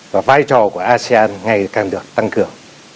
và vai trò của asean ngày càng được tăng cường